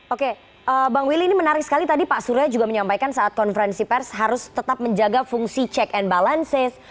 oke bang willy ini menarik sekali tadi pak surya juga menyampaikan saat konferensi pers harus tetap menjaga fungsi check and balances